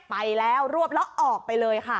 ไปแล้วรวบแล้วออกไปเลยค่ะ